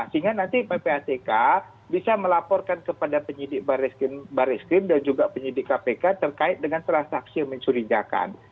sehingga nanti ppatk bisa melaporkan kepada penyidik baris krim dan juga penyidik kpk terkait dengan transaksi yang mencurigakan